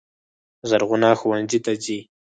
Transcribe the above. زرغونه ښوونځي ته ځي.